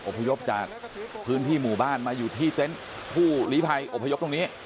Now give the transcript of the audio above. พยพจากพื้นที่หมู่บ้านมาอยู่ที่เต็นต์ผู้หลีภัยอบพยพตรงนี้